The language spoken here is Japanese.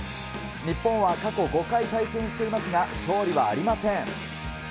日本は過去５回対戦していますが、勝利はありません。